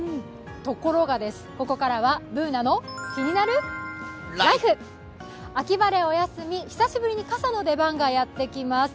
ところがです、ここからは「ＢｏｏｎａのキニナルＬＩＦＥ」秋晴れお休み、久しぶりに傘の出番がやってきます。